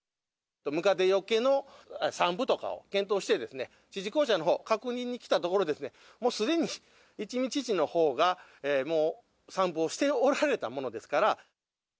ムカデよけの散布とかを検討してですね、知事公舎のほう、確認に来たところ、もうすでに一見知事のほうが、もう散布をしておられたものです